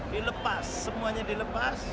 dilepas semuanya dilepas